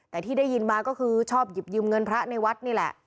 แต่ที่ได้ยินมาก็คือชอบหยิบยืมเงินพระในวัดนี่แหละ